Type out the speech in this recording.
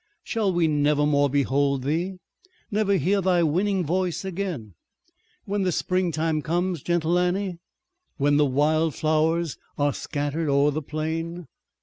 Shall we never more behold thee? Never hear thy winning voice again? When the spring time comes, gentle Annie? When the wild flowers are scattered o'er the plain?